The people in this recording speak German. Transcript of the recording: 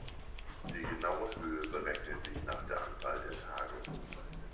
Die genaue Höhe berechnet sich nach der Anzahl der Tage.